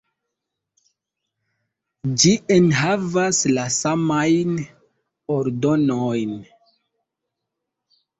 Ĝi enhavas la samajn ordonojn.